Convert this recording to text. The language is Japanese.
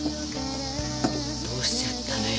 どうしちゃったのよ？